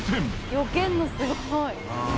避けるのすごい。